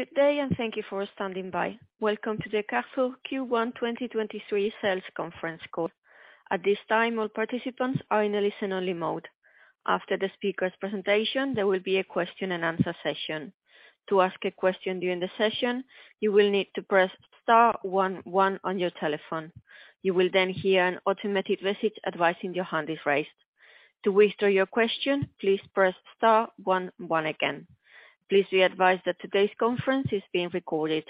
Good day and thank you for standing by. Welcome to the Carrefour Q1 2023 sales conference call. At this time, all participants are in a listen-only mode. After the speaker's presentation, there will be a question and answer session. To ask a question during the session, you will need to press star one one on your telephone. You will then hear an automated message advising your hand is raised. To withdraw your question, please press star one one again. Please be advised that today's conference is being recorded.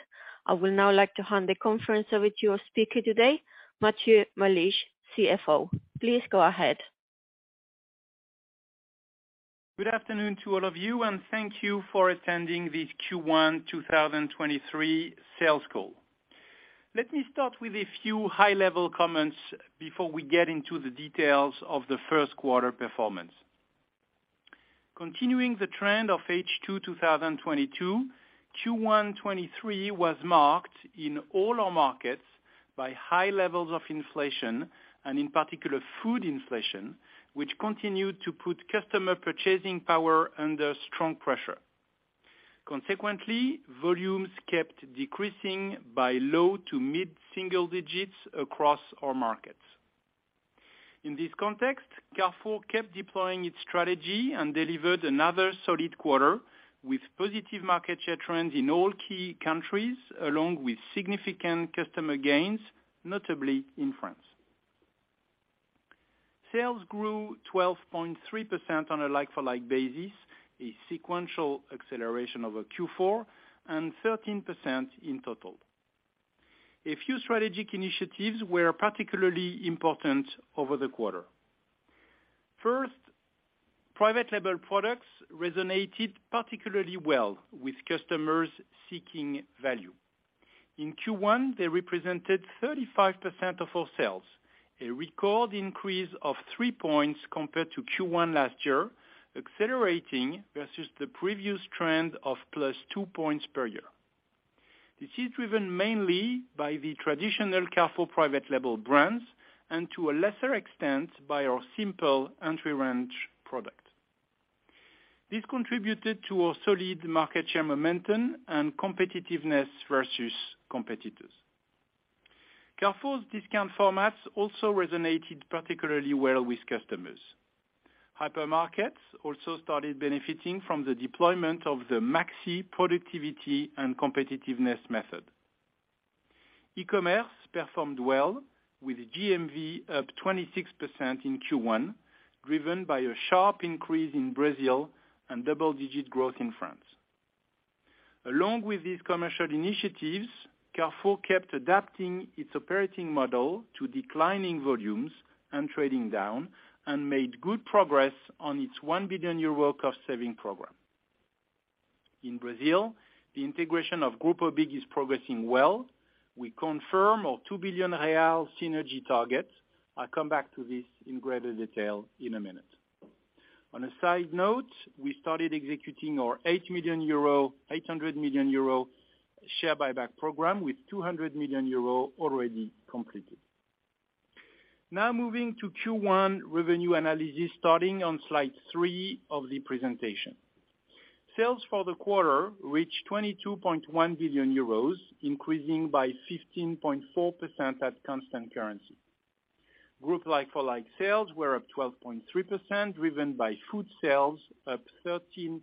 I will now like to hand the conference over to your speaker today, Matthieu Malige, CFO. Please go ahead. Good afternoon to all of you. Thank you for attending this Q1 2023 sales call. Let me start with a few high-level comments before we get into the details of the first quarter performance. Continuing the trend of H2 2022, Q1 2023 was marked in all our markets by high levels of inflation and in particular food inflation, which continued to put customer purchasing power under strong pressure. Consequently, volumes kept decreasing by low to mid-single digits across our markets. In this context, Carrefour kept deploying its strategy and delivered another solid quarter with positive market share trends in all key countries, along with significant customer gains, notably in France. Sales grew 12.3% on a like-for-like basis, a sequential acceleration over Q4, and 13% in total. A few strategic initiatives were particularly important over the quarter. First, private label products resonated particularly well with customers seeking value. In Q1, they represented 35% of our sales, a record increase of three points compared to Q1 last year, accelerating versus the previous trend of +2 points per year. This is driven mainly by the traditional Carrefour private label brands and to a lesser extent by our simple entry range product. This contributed to a solid market share momentum and competitiveness versus competitors. Carrefour's discount formats also resonated particularly well with customers. Hypermarkets also started benefiting from the deployment of the Maxi productivity and competitiveness method. E-commerce performed well with GMV up 26% in Q1, driven by a sharp increase in Brazil and double-digit growth in France. Along with these commercial initiatives, Carrefour kept adapting its operating model to declining volumes and trading down and made good progress on its 1 billion euro cost-saving program. In Brazil, the integration of Grupo BIG is progressing well. We confirm our 2 billion real synergy targets. I'll come back to this in greater detail in a minute. On a side note, we started executing our 800 million euro share buyback program with 200 million euro already completed. Moving to Q1 revenue analysis starting on slide three of the presentation. Sales for the quarter reached 22.1 billion euros, increasing by 15.4% at constant currency. Group like-for-like sales were up 12.3%, driven by food sales up 13.2%.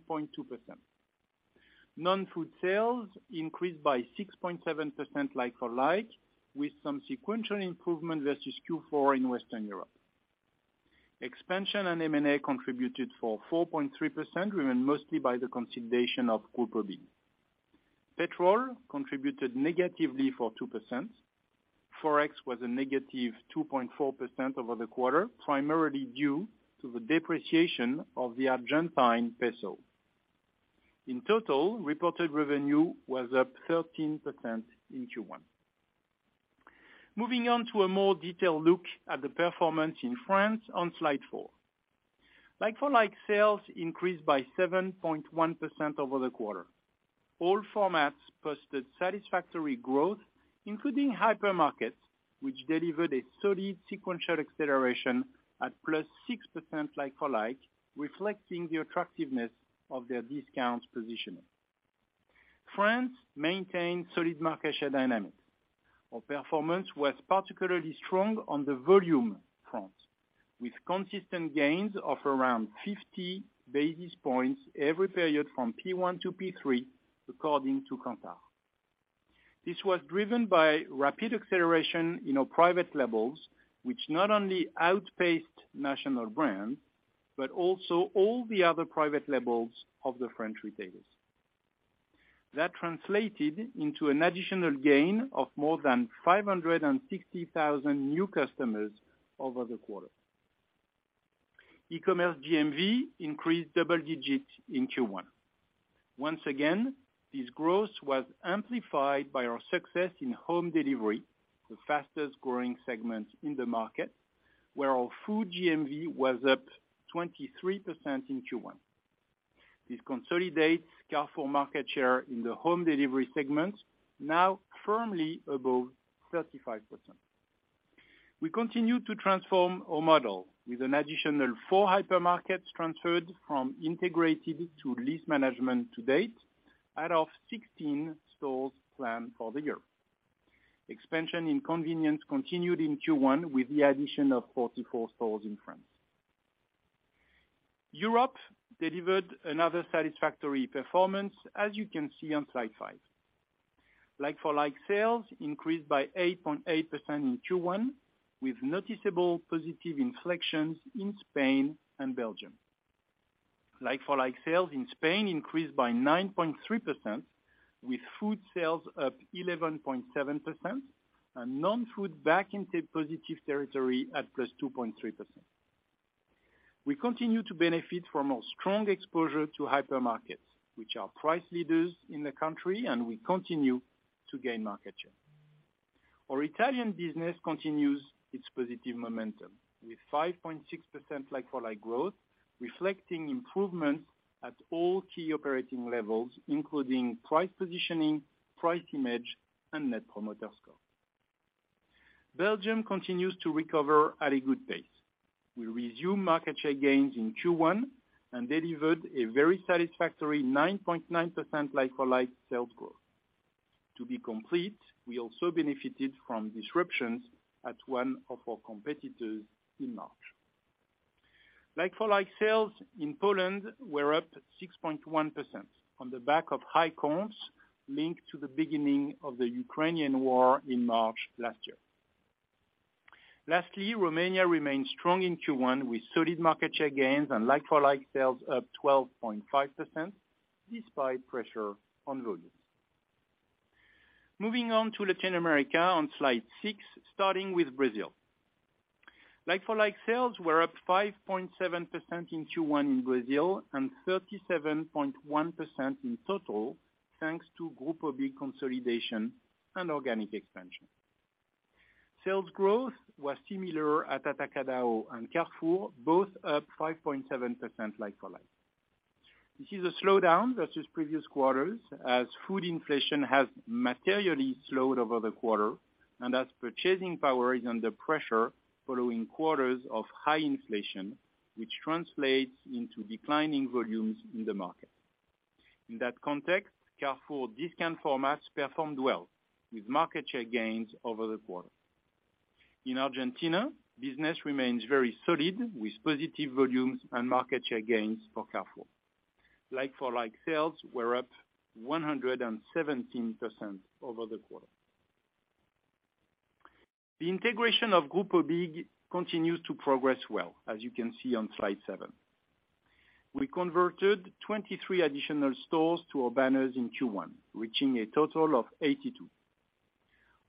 Non-food sales increased by 6.7% like-for-like, with some sequential improvement versus Q4 in Western Europe. Expansion and M&A contributed for 4.3%, driven mostly by the consolidation of Grupo BIG. Petrol contributed negatively for 2%. Forex was a negative 2.4% over the quarter, primarily due to the depreciation of the Argentine peso. In total, reported revenue was up 13% in Q1. Moving on to a more detailed look at the performance in France on slide four. Like-for-like sales increased by 7.1% over the quarter. All formats posted satisfactory growth, including hypermarkets, which delivered a solid sequential acceleration at +6% like-for-like, reflecting the attractiveness of their discount positioning. France maintained solid market share dynamics. Our performance was particularly strong on the volume front, with consistent gains of around 50 basis points every period from P1 to P3, according to Kantar. This was driven by rapid acceleration in our private labels, which not only outpaced national brands, but also all the other private labels of the French retailers. That translated into an additional gain of more than 560,000 new customers over the quarter. E-commerce GMV increased double digits in Q1. Once again, this growth was amplified by our success in home delivery, the fastest-growing segment in the market, where our food GMV was up 23% in Q1. This consolidates Carrefour market share in the home delivery segment, now firmly above 35%. We continue to transform our model with an additional four hypermarkets transferred from integrated to lease management to date, out of 16 stores planned for the year. Expansion in convenience continued in Q1 with the addition of 44 stores in France. Europe delivered another satisfactory performance, as you can see on slide five. like-for-like sales increased by 8.8% in Q1 with noticeable positive inflections in Spain and Belgium. Like-for-like sales in Spain increased by 9.3% with food sales up 11.7% and non-food back into positive territory at +2.3%. We continue to benefit from our strong exposure to hypermarkets, which are price leaders in the country, and we continue to gain market share. Our Italian business continues its positive momentum with 5.6% like-for-like growth, reflecting improvements at all key operating levels, including price positioning, price image, and Net Promoter Score. Belgium continues to recover at a good pace. We resume market share gains in Q1 and delivered a very satisfactory 9.9% like-for-like sales growth. To be complete, we also benefited from disruptions at one of our competitors in March. Like-for-like sales in Poland were up 6.1% on the back of high counts linked to the beginning of the Ukrainian war in March last year. Lastly, Romania remained strong in Q1 with solid market share gains and like-for-like sales up 12.5% despite pressure on volumes. Moving on to Latin America on slide six, starting with Brazil. Like-for-like sales were up 5.7% in Q1 in Brazil and 37.1% in total, thanks to Grupo BIG consolidation and organic expansion. Sales growth was similar at Atacadão and Carrefour, both up 5.7% like-for-like. This is a slowdown versus previous quarters as food inflation has materially slowed over the quarter and as purchasing power is under pressure following quarters of high inflation, which translates into declining volumes in the market. In that context, Carrefour discount formats performed well with market share gains over the quarter. In Argentina, business remains very solid with positive volumes and market share gains for Carrefour. Like-for-like sales were up 117% over the quarter. The integration of Grupo BIG continues to progress well, as you can see on slide seven. We converted 23 additional stores to our banners in Q1, reaching a total of 82.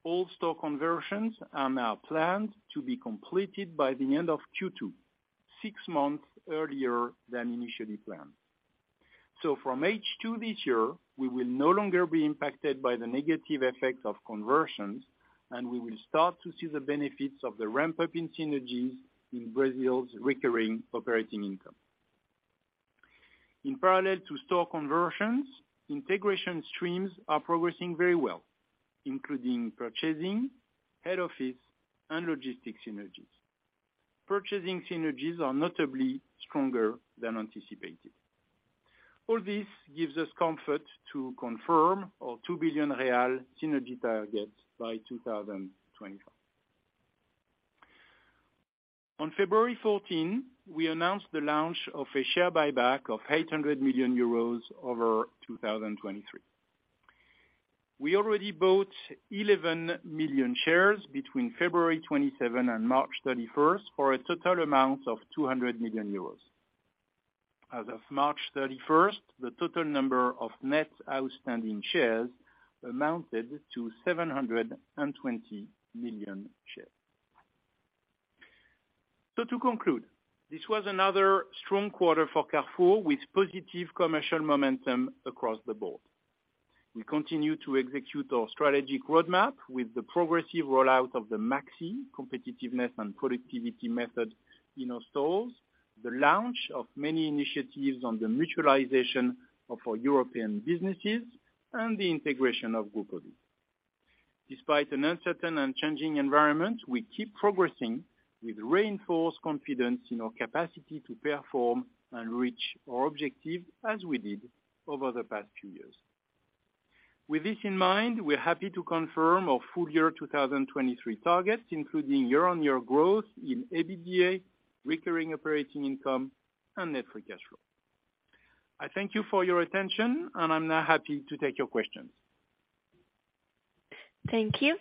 All store conversions are now planned to be completed by the end of Q2, six months earlier than initially planned. From H2 this year, we will no longer be impacted by the negative effects of conversions, and we will start to see the benefits of the ramp-up in synergies in Brazil's recurring operating income. In parallel to store conversions, integration streams are progressing very well, including purchasing, head office and logistics synergies. Purchasing synergies are notably stronger than anticipated. All this gives us comfort to confirm our 2 billion real synergy target by 2025. On February 14, we announced the launch of a share buyback of 800 million euros over 2023. We already bought 11 million shares between February 27 and March 31st for a total amount of 200 million euros. As of March 31st, the total number of net outstanding shares amounted to 720 million shares. To conclude, this was another strong quarter for Carrefour with positive commercial momentum across the board. We continue to execute our strategic roadmap with the progressive rollout of the Maxi competitiveness and productivity method in our stores, the launch of many initiatives on the mutualization of our European businesses and the integration of Grupo BIG. Despite an uncertain and changing environment, we keep progressing with reinforced confidence in our capacity to perform and reach our objective as we did over the past few years. With this in mind, we're happy to confirm our full year 2023 targets, including year-on-year growth in EBITDA, recurring operating income and net free cash flow. I thank you for your attention, and I'm now happy to take your questions. Thank you.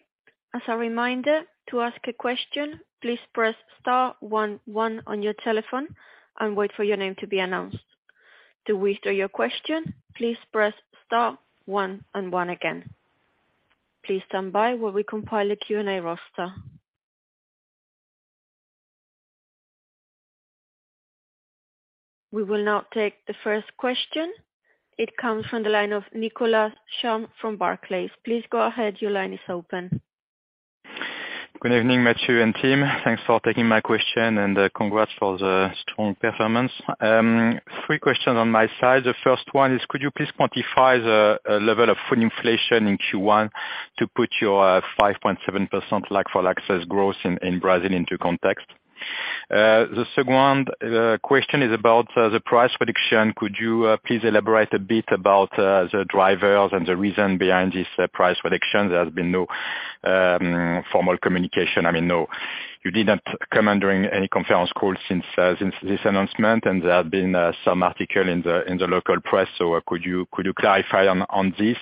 As a reminder, to ask a question, please press star one one on your telephone and wait for your name to be announced. To withdraw your question, please press star one and one again. Please stand by while we compile a Q&A roster. We will now take the first question. It comes from the line of Nicolas Champ from Barclays. Please go ahead. Your line is open. Good evening, Matthieu and team. Thanks for taking my question and congrats for the strong performance. Three questions on my side. The 1st one is could you please quantify the level of food inflation in Q1 to put your 5.7% like-for-like sales growth in Brazil into context? The second question is about the price reduction. Could you please elaborate a bit about the drivers and the reason behind this price reduction? There has been no formal communication. I mean, no... you didn't comment during any conference call since since this announcement, and there have been some article in the local press. Could you, clarify on this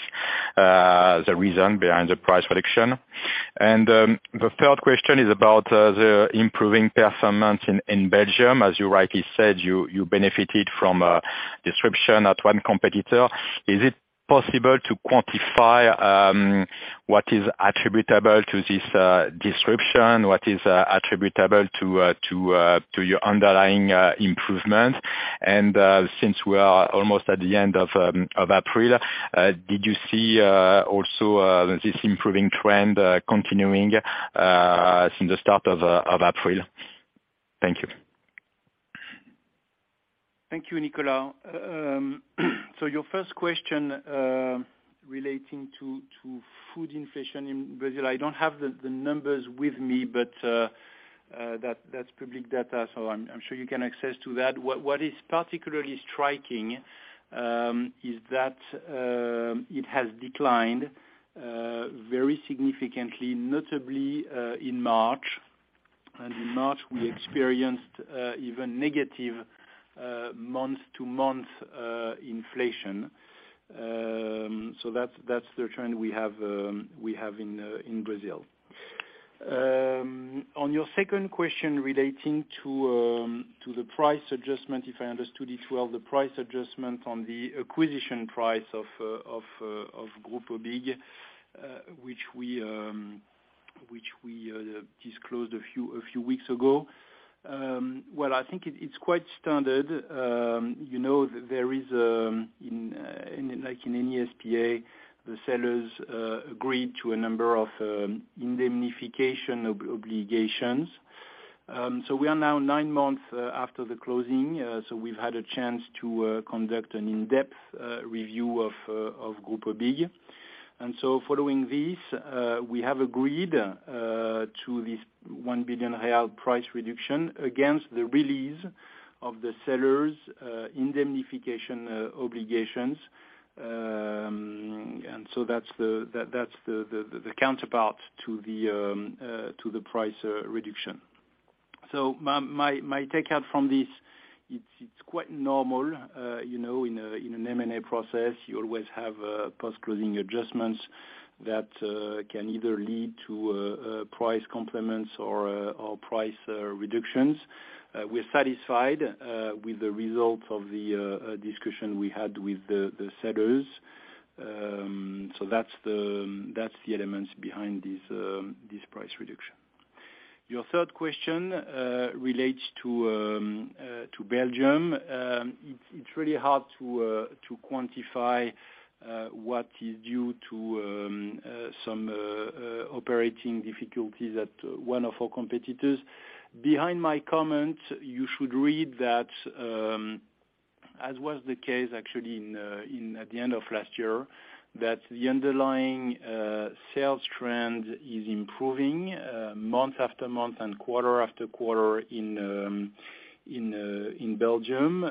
the reason behind the price reduction? The 3rd question is about the improving performance in Belgium. As you rightly said, you benefited from disruption at one competitor. Is it possible to quantify what is attributable to this disruption? What is attributable to your underlying improvement? Since we are almost at the end of April, did you see also this improving trend continuing since the start of April? Thank you. Thank you, Nicolas. Your first question relating to food inflation in Brazil, I don't have the numbers with me, but that's public data, so I'm sure you can access to that. What is particularly striking is that it has declined very significantly, notably in March. In March we experienced even negative month-to-month inflation. That's the trend we have in Brazil. On your second question relating to the price adjustment, if I understood it well, the price adjustment on the acquisition price of Grupo BIG, which we disclosed a few weeks ago. Well, I think it's quite standard. You know, there is, like in any SPA, the sellers agreed to a number of indemnification obligations. We are now nine months after the closing, so we've had a chance to conduct an in-depth review of Grupo BIG. Following this, we have agreed to this 1 billion real price reduction against the release of the sellers' indemnification obligations. That's the counterpart to the price reduction. My takeout from this, it's quite normal. You know, in an M&A process you always have post-closing adjustments that can either lead to a price complements or price reductions. We're satisfied with the results of the discussion we had with the sellers. That's the elements behind this price reduction. Your third question relates to Belgium. It's really hard to quantify what is due to some operating difficulties at one of our competitors. Behind my comment, you should read that as was the case actually in, at the end of last year, that the underlying sales trend is improving month after month and quarter after quarter in Belgium.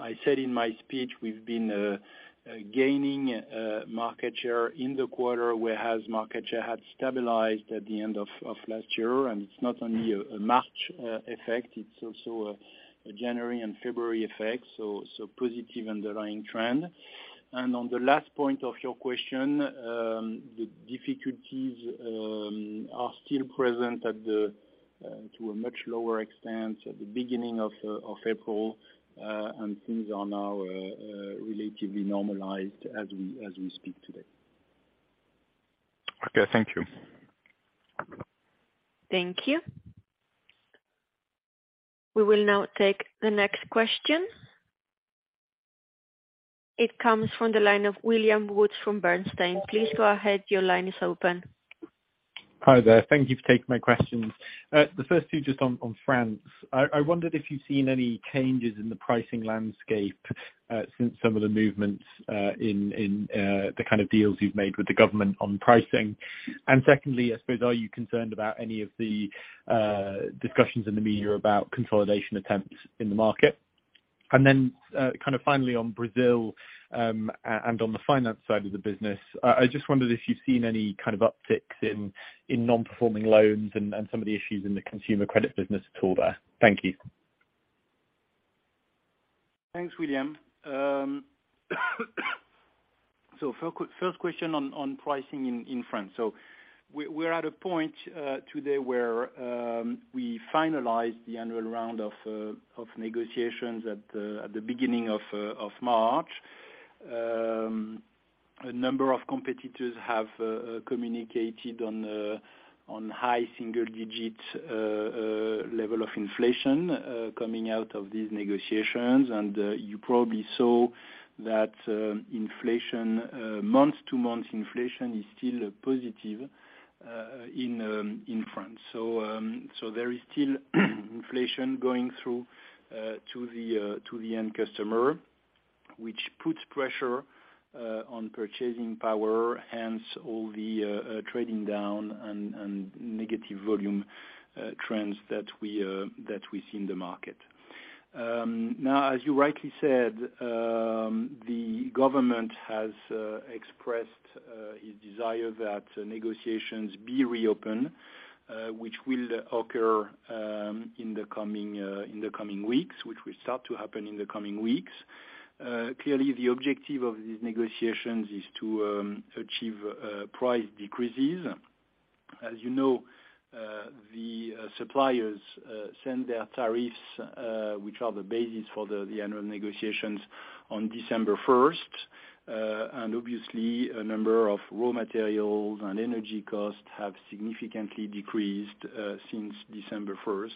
I said in my speech, we've been gaining market share in the quarter, whereas market share had stabilized at the end of last year. It's not only a March effect, it's also a January and February effect, so positive underlying trend. On the last point of your question, the difficulties are still present at the to a much lower extent at the beginning of April, and things are now relatively normalized as we speak today. Okay. Thank you. Thank you. We will now take the next question. It comes from the line of William Woods from Bernstein. Please go ahead. Your line is open. Hi there. Thank you for taking my questions. The first two just on France. I wondered if you've seen any changes in the pricing landscape since some of the movements in the kind of deals you've made with the government on pricing. Secondly, I suppose, are you concerned about any of the discussions in the media about consolidation attempts in the market? Finally on Brazil, and on the finance side of the business, I just wondered if you've seen any kind of upticks in non-performing loans and some of the issues in the consumer credit business at all there. Thank you. Thanks, William. First question on pricing in France. We're at a point today where we finalized the annual round of negotiations at the beginning of March. A number of competitors have communicated on high single-digit level of inflation coming out of these negotiations. You probably saw that inflation, month-to-month inflation is still positive in France. There is still inflation going through to the end customer, which puts pressure on purchasing power, hence all the trading down and negative volume trends that we see in the market. Now as you rightly said, the government has expressed his desire that negotiations be reopened, which will occur in the coming weeks, which will start to happen in the coming weeks. Clearly the objective of these negotiations is to achieve price decreases. As you know, the suppliers send their tariffs, which are the basis for the annual negotiations on December 1st. Obviously a number of raw materials and energy costs have significantly decreased since December 1st.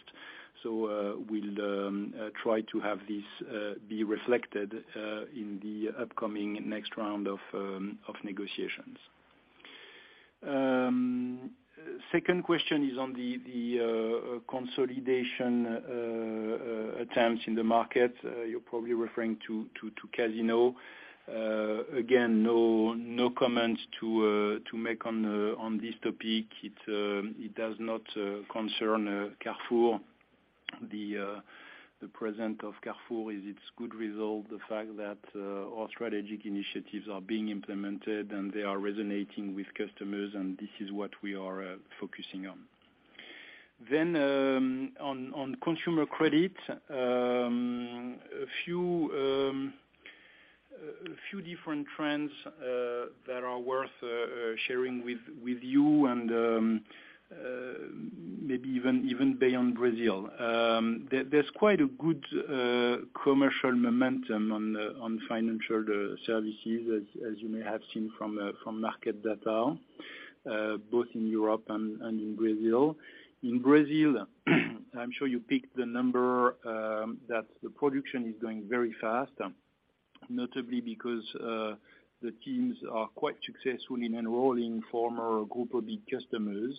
We'll try to have this be reflected in the upcoming next round of negotiations. Second question is on the consolidation attempts in the market. You're probably referring to Casino. Again, no comments to make on this topic. It does not concern Carrefour. The present of Carrefour is its good result, the fact that all strategic initiatives are being implemented and they are resonating with customers and this is what we are focusing on. On consumer credit, a few different trends that are worth sharing with you and maybe even beyond Brazil. There's quite a good commercial momentum on financial services as you may have seen from market data, both in Europe and in Brazil. In Brazil, I'm sure you picked the number, that the production is growing very fast, notably because the teams are quite successful in enrolling former Groupama customers.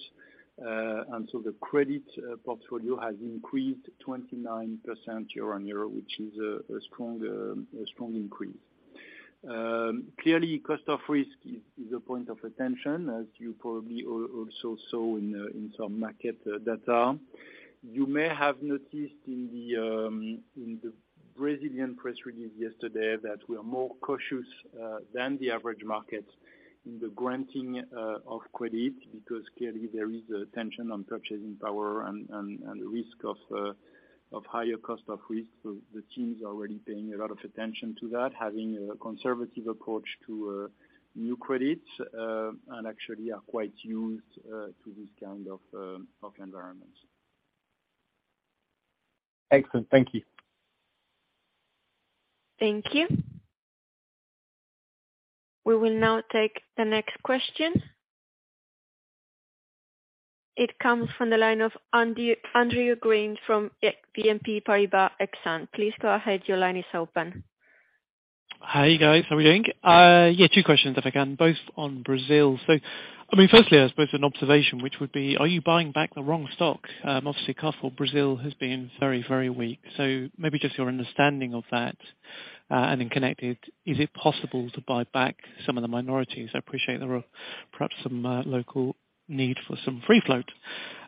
The credit portfolio has increased 29% year-over-year, which is a strong increase. Clearly cost of risk is a point of attention as you probably also saw in some market data. You may have noticed in the Brazilian press release yesterday that we are more cautious than the average market in the granting of credit because clearly there is a tension on purchasing power and risk of higher cost of risk. The teams are already paying a lot of attention to that, having a conservative approach to new credits, and actually are quite used to this kind of environment. Excellent. Thank you. Thank you. We will now take the next question. It comes from the line of Andrew Gwynn from BNP Paribas Exane. Please go ahead. Your line is open. Hi, guys. How are we doing? Yeah, two questions if I can, both on Brazil. I mean, firstly, I suppose an observation which would be, are you buying back the wrong stock? Obviously, Carrefour Brazil has been very, very weak, so maybe just your understanding of that. Then connected, is it possible to buy back some of the minorities? I appreciate there are perhaps some local need for some free float.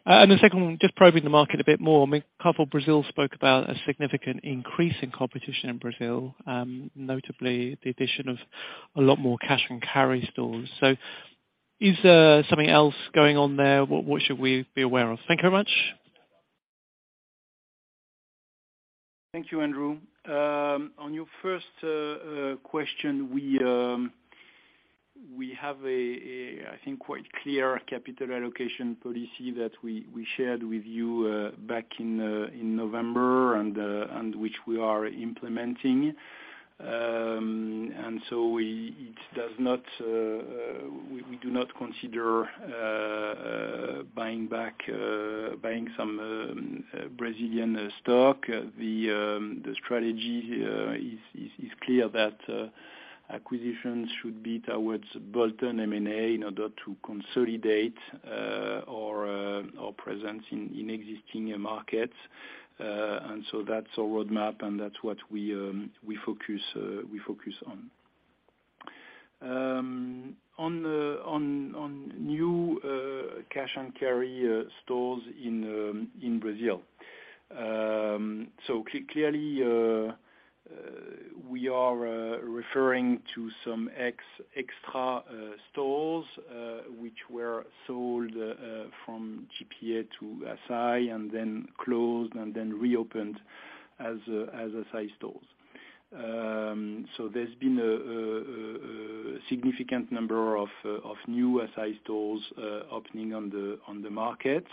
The second one, just probing the market a bit more. I mean, Carrefour Brazil spoke about a significant increase in competition in Brazil, notably the addition of a lot more cash and carry stores. Is something else going on there? What, what should we be aware of? Thank you very much. Thank you, Andrew. On your first question, we have a, I think, quite clear capital allocation policy that we shared with you back in November and which we are implementing. We do not consider buying back buying some Brazilian stock. The strategy is clear that acquisitions should be towards bolt-on M&A in order to consolidate our presence in existing markets. That's our roadmap, and that's what we focus on. On new cash and carry stores in Brazil. Clearly, we are referring to some extra stores which were sold from GPA to Assaí and then closed and then reopened as Assaí stores. There's been a significant number of new Assaí stores opening on the market.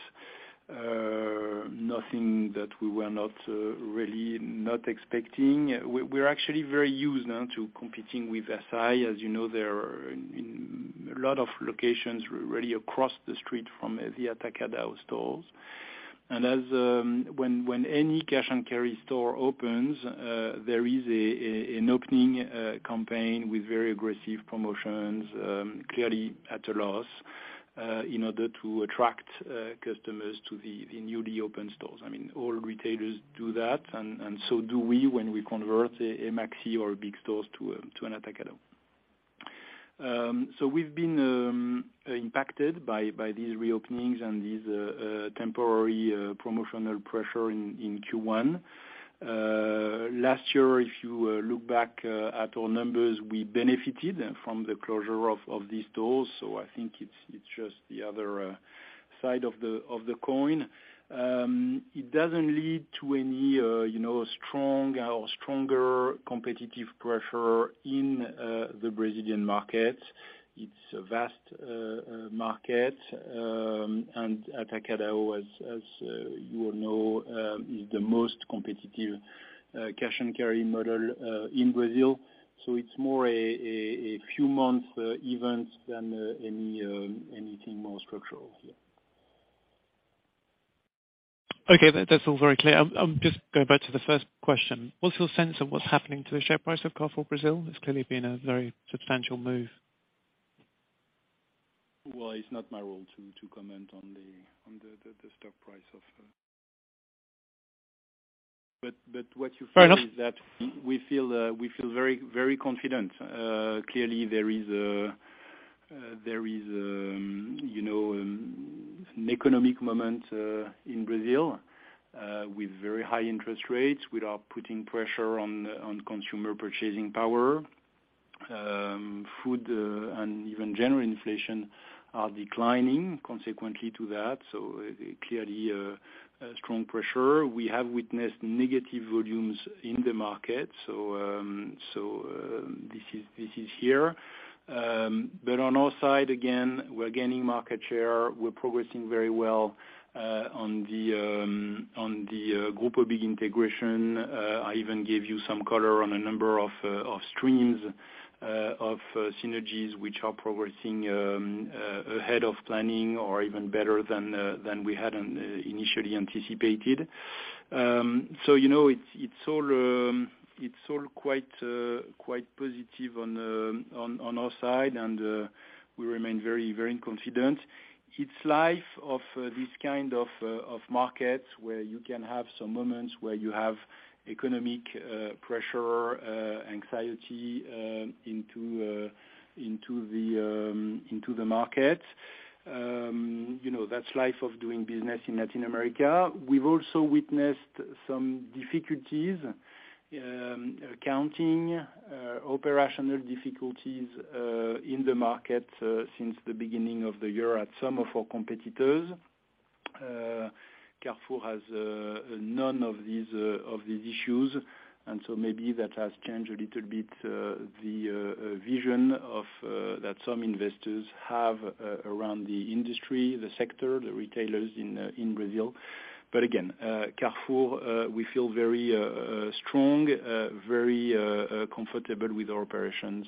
Nothing that we were not really not expecting. We're actually very used now to competing with Assaí. As you know, there are in a lot of locations really across the street from the Atacadão stores. As when any cash and carry store opens, there is an opening campaign with very aggressive promotions, clearly at a loss in order to attract customers to the newly open stores. I mean, all retailers do that, and so do we when we convert a Maxxi or BIG stores to an Atacadão. We've been impacted by these reopenings and these temporary promotional pressure in Q1. Last year, if you look back at our numbers, we benefited from the closure of these stores, I think it's just the other side of the coin. It doesn't lead to any, you know, strong or stronger competitive pressure in the Brazilian market. It's a vast market. Atacadão, as you all know, is the most competitive cash and carry model in Brazil. It's more a few months event than anything more structural here. Okay. That's all very clear. Just going back to the first question. What's your sense of what's happening to the share price of Carrefour Brazil? It's clearly been a very substantial move. Well, it's not my role to comment on the stock price of. What you- Fair enough. -is that we feel very, very confident. Clearly there is, you know, economic moment in Brazil with very high interest rates which are putting pressure on consumer purchasing power. Food and even general inflation are declining consequently to that, clearly a strong pressure. We have witnessed negative volumes in the market, this is here. On our side, again, we're gaining market share. We're progressing very well on the Grupo BIG integration. I even gave you some color on a number of streams of synergies which are progressing ahead of planning or even better than we had initially anticipated. You know, it's all quite positive on our side, and we remain very, very confident. It's life of these kind of markets where you can have some moments where you have economic pressure, anxiety, into the market. You know, that's life of doing business in Latin America. We've also witnessed some difficulties, accounting, operational difficulties in the market since the beginning of the year at some of our competitors. Carrefour has none of these issues. Maybe that has changed a little bit the vision of that some investors have around the industry, the sector, the retailers in Brazil. Again, Carrefour, we feel very strong, very comfortable with our operations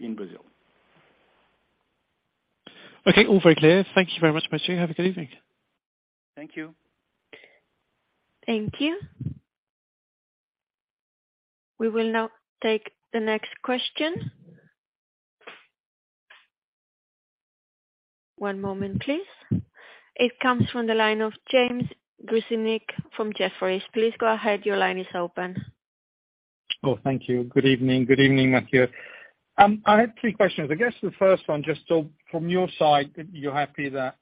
in Brazil. Okay. All very clear. Thank you very much, Matthieu. Have a good evening. Thank you. Thank you. We will now take the next question. One moment please. It comes from the line of James Grzinic from Jefferies. Please go ahead. Your line is open. Thank you. Good evening. Good evening, Matthieu. I have three questions. I guess the first one, from your side, you're happy that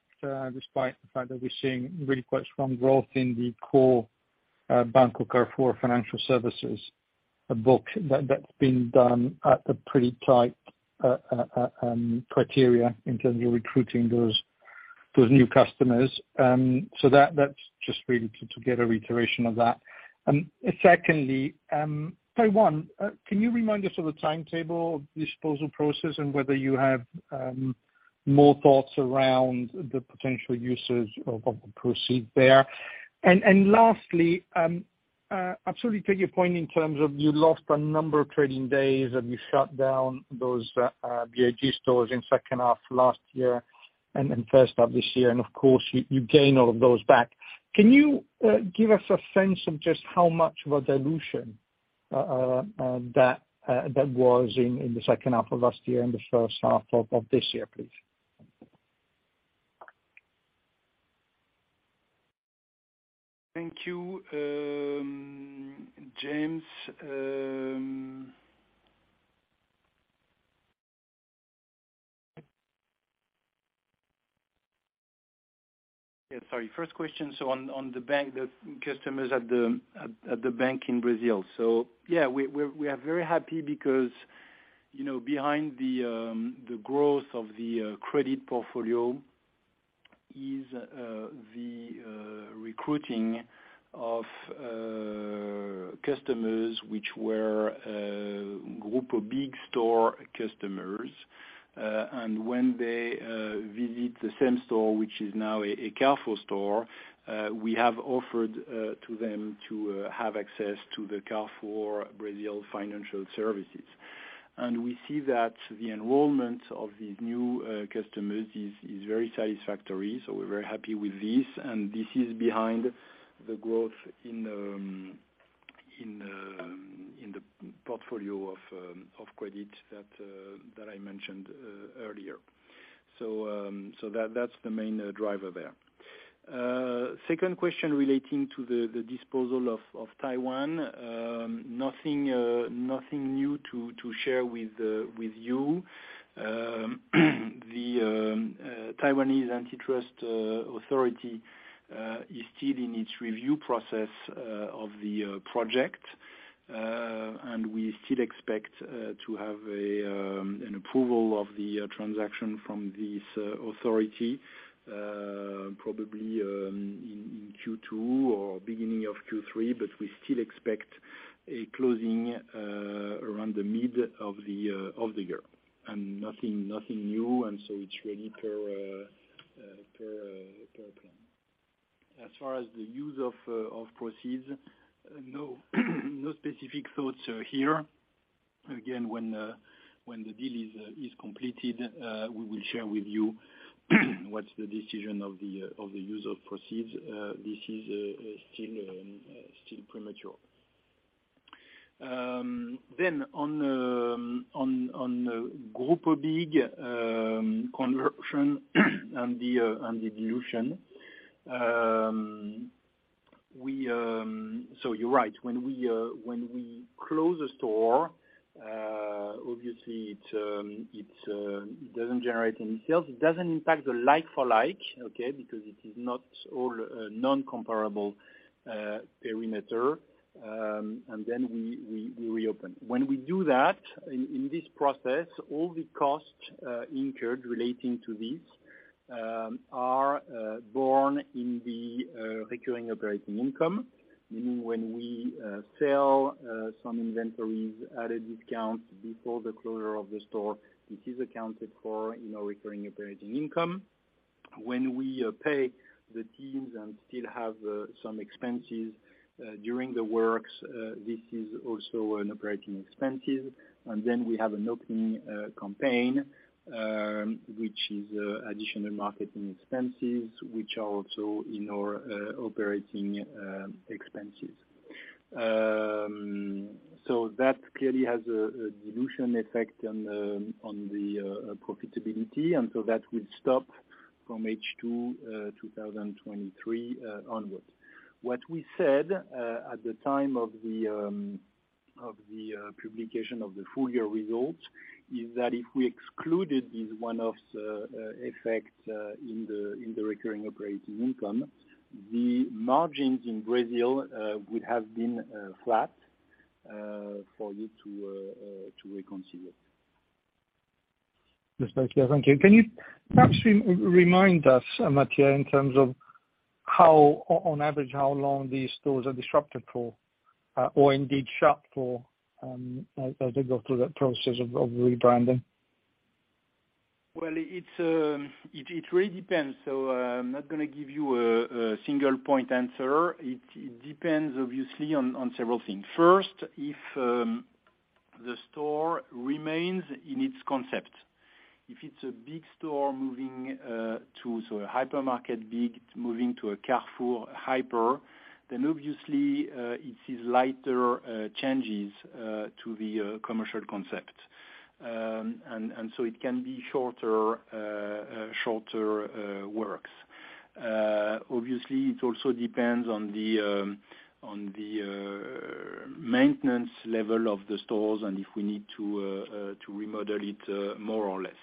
despite the fact that we're seeing really quite strong growth in the core Banco Carrefour financial services book, that's been done at a pretty tight criteria in terms of recruiting those new customers. That's just really to get a reiteration of that. Secondly, Taiwan, can you remind us of the timetable of the disposal process and whether you have more thoughts around the potential uses of the proceed there? Lastly, absolutely take your point in terms of you lost a number of trading days and you shut down those BIG stores in second half last year and then first half this year. Of course you gain all of those back. Can you give us a sense of just how much of a dilution that was in the second half of last year and the first half of this year, please? Thank you, James. First question, on the bank, the customers at the bank in Brazil. we are very happy because, you know, behind the growth of the credit portfolio is the recruiting of customers which were Grupo BIG store customers. when they visit the same store, which is now a Carrefour store, we have offered to them to have access to the Carrefour Brasil financial services. we see that the enrollment of these new customers is very satisfactory, so we're very happy with this and this is behind the growth in the portfolio of credit that I mentioned earlier. That's the main driver there. Second question relating to the disposal of Taiwan. Nothing new to share with you. The Taiwanese Antitrust Authority is still in its review process of the project. We still expect to have an approval of the transaction from this authority, probably in Q2 or beginning of Q3. We still expect a closing around the mid of the year. Nothing new, it's really per plan. As far as the use of proceeds, no specific thoughts are here. Again, when the deal is completed, we will share with you what's the decision of the use of proceeds. This is still premature. On Grupo BIG conversion and the dilution. You're right, when we close a store, obviously it doesn't generate any sales. It doesn't impact the like-for-like, okay? Because it is not all non-comparable perimeter. We reopen. When we do that in this process, all the costs incurred relating to this are borne in the recurring operating income. Meaning when we sell some inventories at a discount before the closure of the store, it is accounted for in our recurring operating income. When we pay the teams and still have some expenses during the works, this is also an operating expense. We have an opening campaign, which is additional marketing expenses, which are also in our operating expenses. That clearly has a dilution effect on the profitability, and that will stop from H2 2023 onwards. What we said at the time of the publication of the full year results, is that if we excluded these one-offs effect in the recurring operating income, the margins in Brazil would have been flat for you to reconcile. Yes, thank you. Can you perhaps re-remind us, Matthieu, in terms of how on average, how long these stores are disrupted for, or indeed shut for, as they go through that process of rebranding? It really depends. I'm not gonna give you a single point answer. It depends obviously on several things. First, if the store remains in its concept. If it's a BIG store moving, a hypermarket BIG moving to a Carrefour Hyper, obviously, it is lighter changes to the commercial concept. It can be shorter works. Obviously it also depends on the maintenance level of the stores and if we need to remodel it more or less.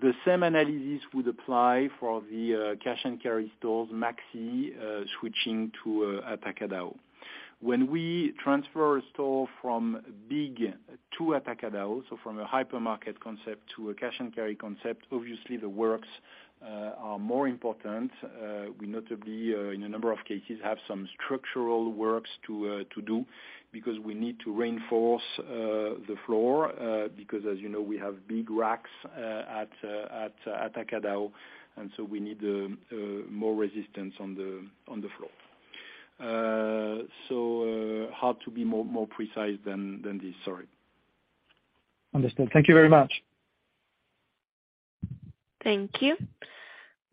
The same analysis would apply for the cash and carry stores, Maxxi, switching to Atacadão. When we transfer a store from BIG to Atacadão, so from a hypermarket concept to a cash and carry concept, obviously the works are more important. We notably in a number of cases, have some structural works to do because we need to reinforce the floor because as you know, we have BIG racks at Atacadão, we need more resistance on the floor. Hard to be more precise than this. Sorry. Understood. Thank you very much. Thank you.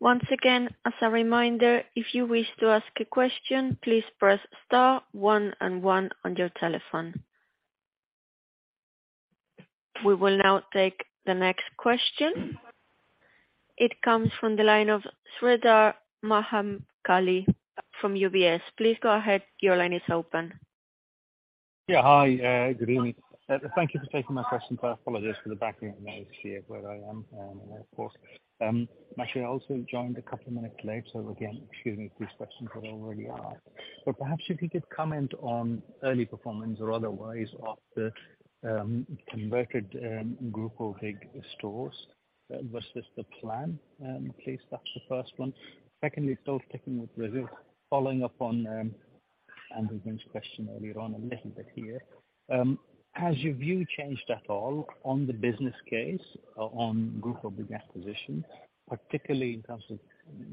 Once again, as a reminder, if you wish to ask a question, please press star one and one on your telephone. We will now take the next question. It comes from the line of Sreedhar Mahamkali from UBS. Please go ahead. Your line is open. Yeah. Hi. Good evening. Thank you for taking my question. I apologize for the background noise here where I am in an airport. Actually, I also joined a couple minutes late, so again, excuse me if these questions were already asked. Perhaps if you could comment on early performance or otherwise of the converted Grupo BIG stores versus the plan, please. That's the first one. Secondly, still sticking with Brazil, following up on Andrew Gwynn's question earlier on a little bit here. Has your view changed at all on the business case, on Grupo BIG acquisition, particularly in terms of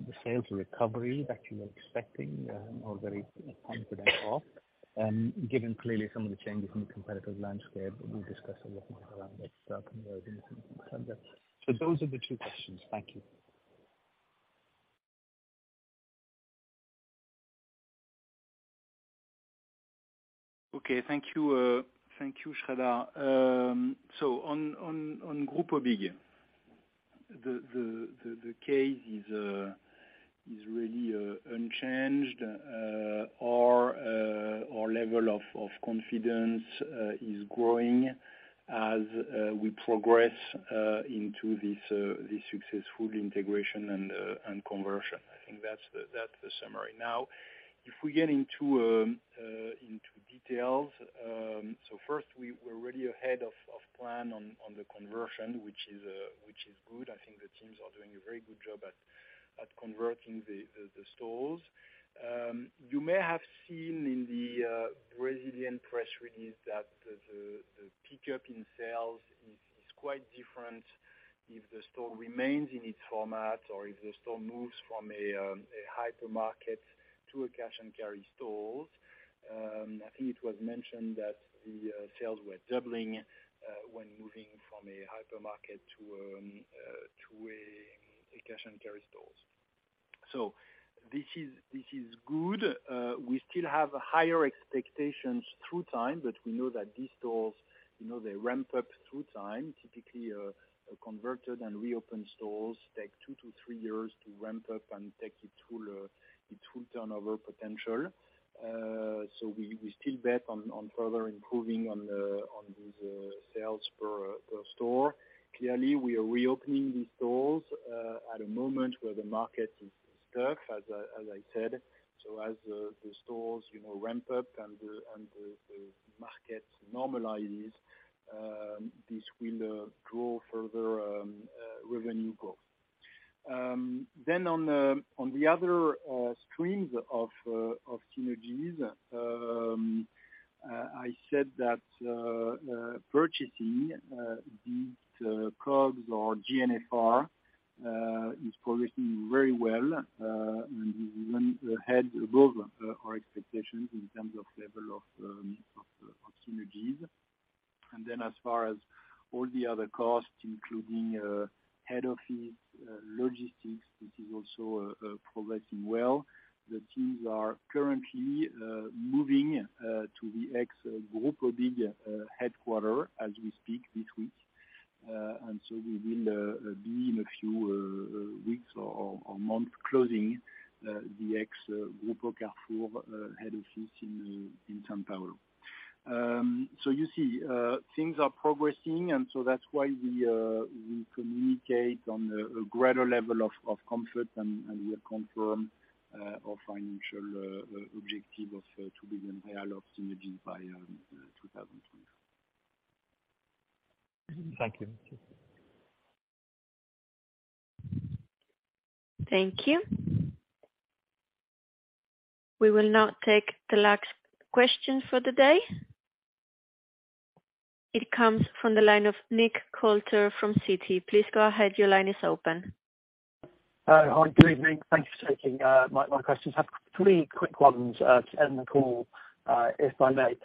the sales recovery that you are expecting, or very confident of, given clearly some of the changes in the competitive landscape that we've discussed a lot more around with [Dark and other things like that?] Those are the two questions. Thank you. Okay, thank you, thank you, Sreedhar. On Grupo BIG, the case is really unchanged. Our level of confidence is growing as we progress into this successful integration and conversion. I think that's the, that's the summary. If we get into details, first we're already ahead of plan on the conversion, which is good. I think the teams are doing a very good job at converting the stores. You may have seen in the Brazilian press release that the pickup in sales is quite different if the store remains in its format or if the store moves from a hypermarket to a cash and carry stores. I think it was mentioned that the sales were doubling when moving from a hypermarket to a cash and carry stores. This is good. We still have higher expectations through time, but we know that these stores, you know, they ramp up through time. Typically, converted and reopened stores take 2-3 years to ramp up and take it to its full turnover potential. We still bet on further improving on these sales per the store. Clearly, we are reopening these stores at a moment where the market is stuck, as I said, as the stores, you know, ramp up and the markets normalizes, this will grow further revenue growth. Then on on the other streams of synergies, I said that purchasing these products or GNFR is progressing very well and is even ahead above our expectations in terms of level of synergies. As far as all the other costs, including head office, logistics, this is also progressing well. The teams are currently moving to the ex-Grupo BIG headquarter as we speak this week. We will be in a few weeks or months closing the ex-Grupo Carrefour head office in São Paulo. You see, things are progressing, and so that's why we communicate on a greater level of comfort and we confirm our financial objective of 2 billion real of synergy by 2024. Thank you. Thank you. We will now take the last question for the day. It comes from the line of Nick Coulter from Citi. Please go ahead. Your line is open. Hi, good evening. Thank you for taking my questions. I have three quick ones to end the call, if I may.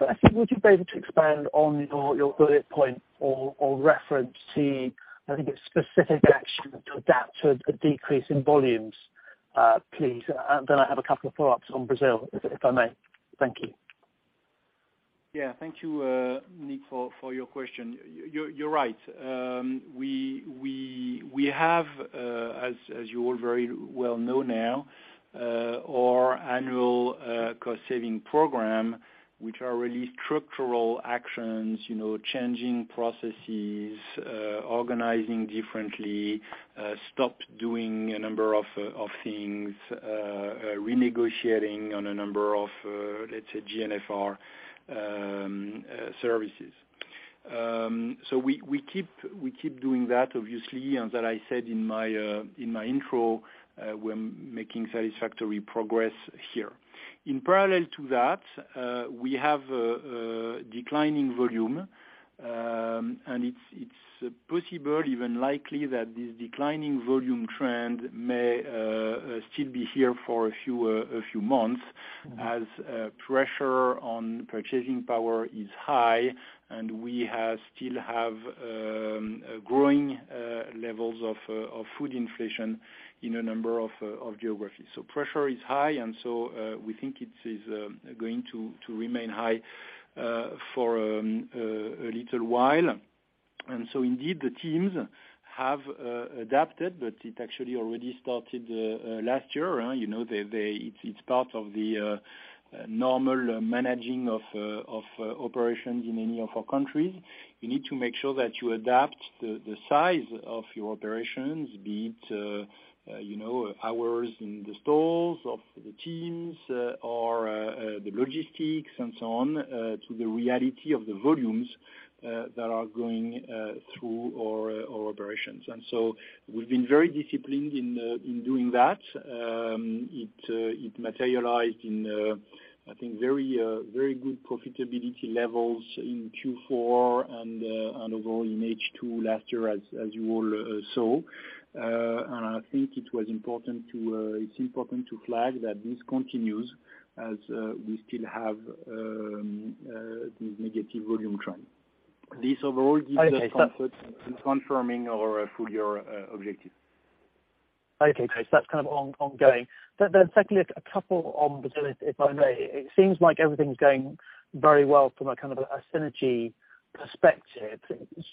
I think would you be able to expand on your bullet point or reference to, I think it's specific action to adapt to a decrease in volumes, please? Then I have a couple of follow-ups on Brazil, if I may. Thank you. Yeah, thank you, Nick, for your question. You're right. We have, as you all very well know now, our annual cost saving program, which are really structural actions, you know, changing processes, organizing differently, stop doing a number of things, renegotiating on a number of let's say GNFR services. We keep doing that obviously, and that I said in my intro, we're making satisfactory progress here. In parallel to that, we have declining volume, it's possible even likely that this declining volume trend may still be here for a few months as pressure on purchasing power is high, and we still have growing levels of food inflation in a number of geographies. Pressure is high, we think it is going to remain high for a little while. Indeed the teams have adapted, but it actually already started last year. You know, they It's part of the normal managing of operations in any of our countries. You need to make sure that you adapt the size of your operations, be it, you know, hours in the stores of the teams or the logistics and so on, to the reality of the volumes that are going through our operations. We've been very disciplined in doing that. It materialized in I think very good profitability levels in Q4 and overall in H2 last year as you all saw. I think it was important to it's important to flag that this continues as we still have this negative volume trend. This overall gives us comfort in confirming our full year objective. Okay, great. That's kind of on-ongoing. Secondly, a couple on Brazil, if I may. It seems like everything's going very well from a kind of a synergy perspective.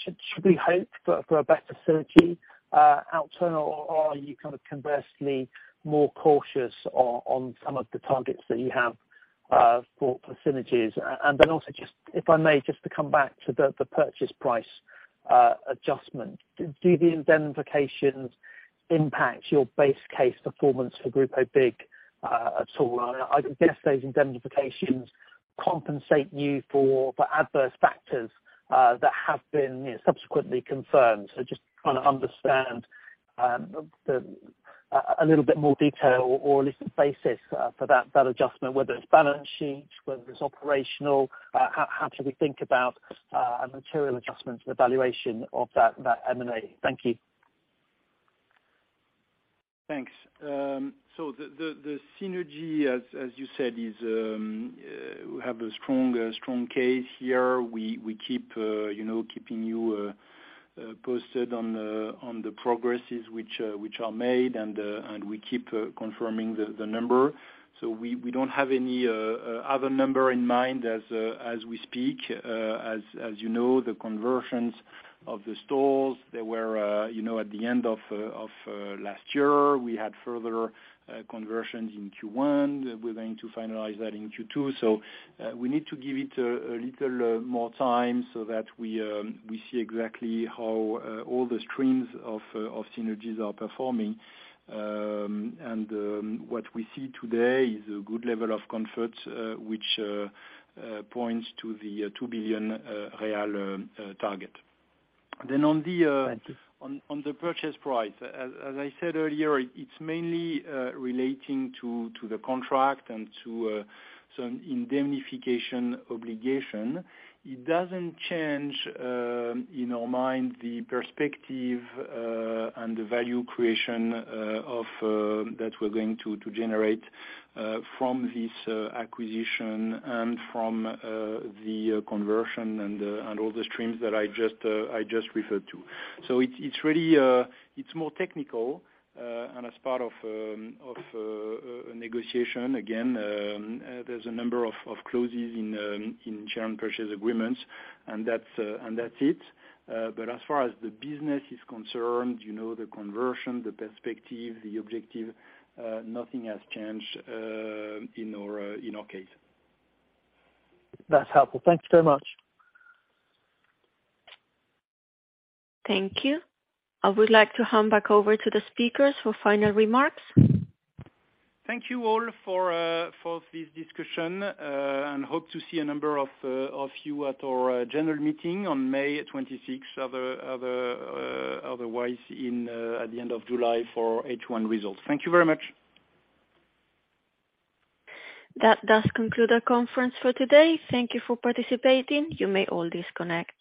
Should we hope for a better synergy outturn or are you kind of conversely more cautious on some of the targets that you have for synergies? Also just, if I may, just to come back to the purchase price adjustment. Do the indemnifications impact your base case performance for Grupo BIG at all? I guess those indemnifications compensate you for adverse factors that have been, you know, subsequently confirmed. Just trying to understand a little bit more detail or at least the basis for that adjustment, whether it's balance sheet, whether it's operational, how should we think about a material adjustment to the valuation of that M&A? Thank you. Thanks. The synergy as you said is we have a strong case here. We keep, you know, keeping you posted on the progresses which are made and we keep confirming the number. We don't have any other number in mind as we speak. As you know, the conversions of the stores, they were, you know, at the end of last year. We had further conversions in Q1. We're going to finalize that in Q2. We need to give it a little more time so that we see exactly how all the streams of synergies are performing. What we see today is a good level of comfort, which points to the 2 billion real target. On the. Thank you. On the purchase price, as I said earlier, it's mainly relating to the contract and to some indemnification obligation. It doesn't change in our mind the perspective and the value creation of that we're going to generate from this acquisition and from the conversion and all the streams that I just referred to. it's really it's more technical and as part of a negotiation, again, there's a number of clauses in share and purchase agreements, and that's it. But as far as the business is concerned, you know, the conversion, the perspective, the objective, nothing has changed in our case. That's helpful. Thank you so much. Thank you. I would like to hand back over to the speakers for final remarks. Thank you all for for this discussion, and hope to see a number of of you at our general meeting on May 26th, otherwise, at the end of July for H1 results. Thank you very much. That does conclude our conference for today. Thank you for participating. You may all disconnect.